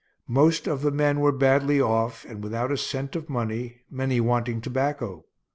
Most of the men were badly off, and without a cent of money, many wanting tobacco.